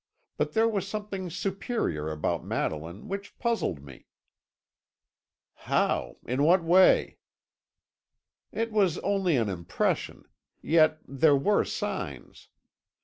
But there was something superior about Madeline which puzzled me." "How? In what way?" "It was only an impression. Yet there were signs.